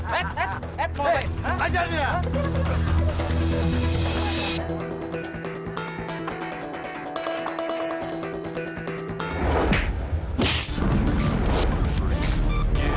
pat pat mau pet